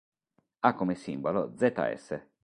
Ha come simbolo zs.